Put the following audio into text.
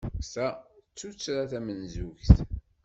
Ta d tuttra tamenzugt?